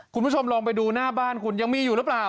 คุณผู้ชมลองไปดูหน้าบ้านคุณยังมีอยู่หรือเปล่า